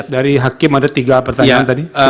dari hakim ada tiga pertanyaan tadi